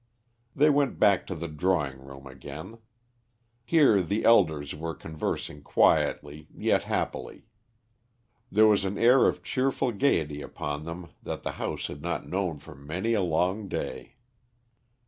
They went back to the drawing room again. Here the elders were conversing quietly yet happily. There was an air of cheerful gaiety upon them that the house had not know for many a long day.